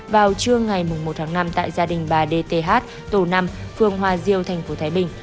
vào trưa ngày một tháng năm tại gia đình bà đê thê hát tổ năm phương hoa diêu tp thái bình